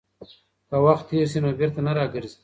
که وخت تېر شي نو بېرته نه راګرځي.